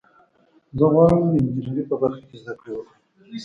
زه غواړم چې د انجینرۍ په برخه کې زده کړه وکړم